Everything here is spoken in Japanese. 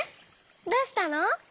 どうしたの？